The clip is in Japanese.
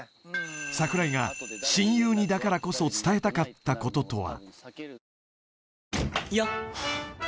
櫻井が親友にだからこそ伝えたかったこととは？